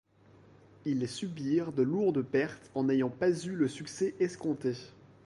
Ils subirent de lourdes pertes en n'ayant pas eu le succès escompté.